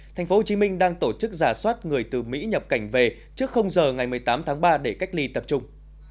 tp hcm đang tổ chức giả soát người từ mỹ nhập cảnh về trước giờ ngày một mươi tám tháng ba để cách ly tập trung